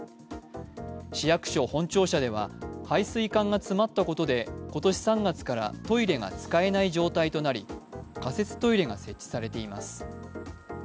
市役所本庁舎では排水管が詰まったことで今年３月からトイレが使えない状態となり仮設トイレが設置されています。